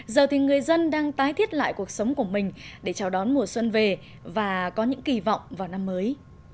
giờ thì người dân đang tái thiết lại cuộc sống của mình để chào đón mùa xuân về và có những kỳ vọng vào năm mới